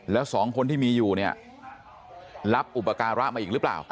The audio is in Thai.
แล้วสองคนที่มีอยู่เนี่ยรับอุปการะมาอีกหรือเปล่า